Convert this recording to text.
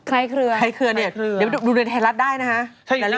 ใครเครือใครเครือเนี่ยเดี๋ยวดูในไทยรัฐได้นะฮะ